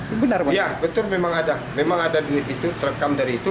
iya betul memang ada memang ada duit itu terekam dari itu